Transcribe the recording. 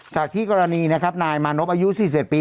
จากที่กรณีนะครับนายมานพอายุ๔๑ปี